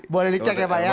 boleh dicek ya pak ya